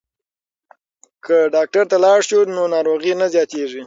که ډاکټر ته لاړ شو نو ناروغي نه زیاتیږي.